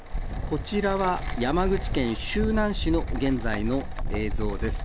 こちらは、山口県周南市の現在の映像です。